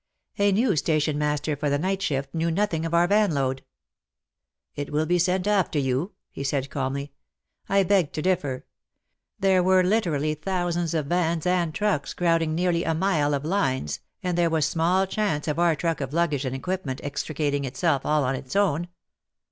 A new station master for the night shift knew nothing of our vanload. ''It will be sent after you," he said calmly. I begged to differ. There were literally thousands of vans and trucks crowding nearly a mile of lines, and there was small chance of our truck of luggage and equipment extricating itself all on its own.